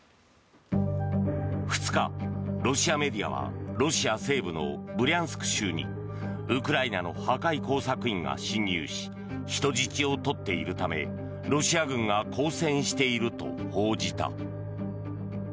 ２日、ロシアメディアはロシア西部のブリャンスク州にウクライナの破壊工作員が侵入し人質を取っているためロシア軍が交戦していると報じた。